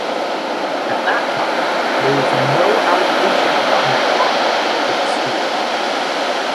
At that time there was no allocation of government fund for the school.